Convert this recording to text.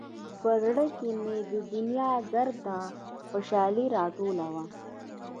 په زړه کښې مې د دونيا ګرده خوشالي راټوله وه.